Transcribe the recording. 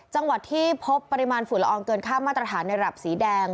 จังหวัดที่พบปริมาณฝุ่นละอองเกินค่ามาตรฐานในระดับสีแดง